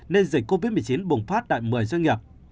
nên dịch covid một mươi chín bùng phát tại một mươi doanh nghiệp